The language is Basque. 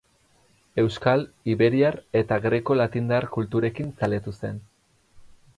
Euskal, iberiar eta greko-latindar kulturekin zaletu zen.